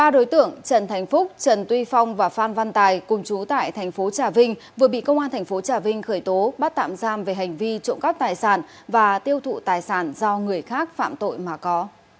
ba đối tượng trần thành phúc trần tuy phong và phan văn tài cùng chú tại thành phố trà vinh vừa bị công an thành phố trà vinh khởi tố bắt tạm giam về hành vi trộm cắp tài sản và tiêu thụ tài sản do người khác phạm tội mà có